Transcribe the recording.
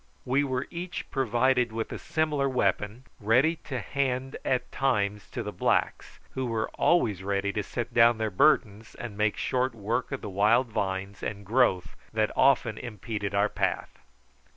We were each provided with a similar weapon, ready to hand at times to the blacks, who were always ready to set down their burdens and make short work of the wild vines and growth that often impeded our path.